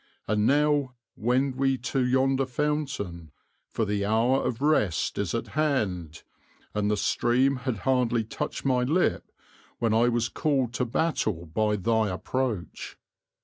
And now wend we to yonder fountain, for the hour of rest is at hand, and the stream had hardly touched my lip when I was called to battle by thy approach."